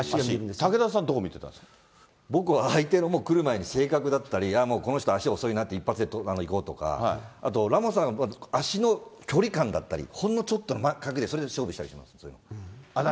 武田さん、僕は相手の来る前に性格だったり、ああ、この人、足遅いなって、一発でいこうとか、あとラモスさん、足の距離感だったり、ほんのちょっとの、それで勝負したりとか。